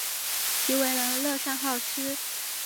其为人乐善好施。